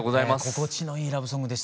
心地のいいラブソングでしたが。